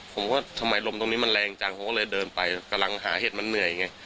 ผมก็ทำไมลมตรงนี้มันแรงจังผมก็เลยเดินไปกำลังหาเห็ดมันเหนื่อยไง